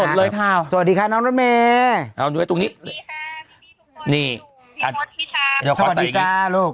โทษเลยครับสวัสดีค่ะน้องหน้าเมเอาดูไว้ตรงนี้นี่สวัสดีจ้าลูก